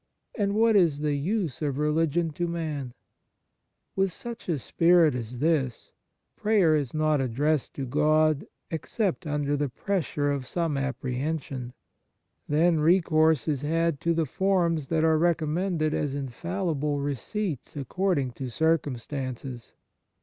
and what is the use of religion to man ? With such a spirit as this, prayer is not addressed to God except The Fruits of Piety under the pressure of some appre hension ; then recourse is had to the forms that are recommended as in fallible receipts according to circum stances.